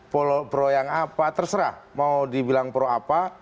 pulau pro yang apa terserah mau dibilang pro apa